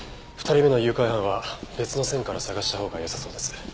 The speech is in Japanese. ２人目の誘拐犯は別の線から捜したほうがよさそうです。